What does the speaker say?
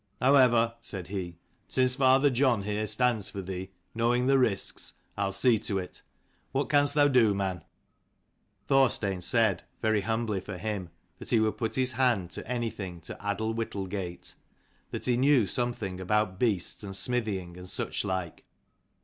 However," said he, " since father John there stands for thee, knowing the risks, I'll see to it. What can'st thou do, man ?" Thorstein said, very humbly for him, that he would put his hand to anything to addle whittlegate : that he knew something about beasts, and smithying, and suchlike.